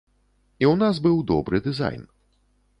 І ў нас быў добры дызайн.